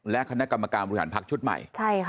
และคณะกรรมการบริหารพักชุดใหม่